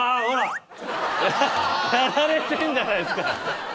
やられてんじゃないですか！